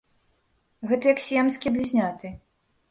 Гэта як сіямскія блізняты.